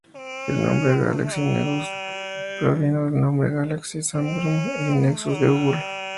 El nombre "Galaxy Nexus" provino del nombre "Galaxy" de Samsung y "Nexus" de Google.